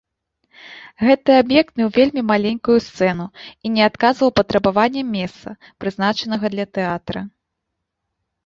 Гэты аб'ект меў вельмі маленькую сцэну і не адказваў патрабаванням месца, прызначанага для тэатра.